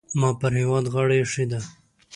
ما پر هېواد غاړه اېښې ده.